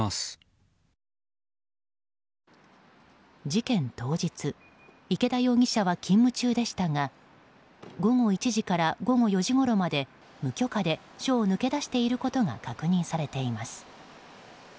事件当日、池田容疑者は勤務中でしたが午後１時から午後４時ごろまで無許可で署を抜け出していることが確認されています。